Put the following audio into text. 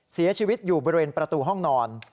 เสียชีวิตอยู่บริเวณประตูห้องนอน